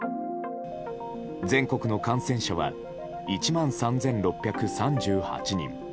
全国の感染者は１万３６３８人。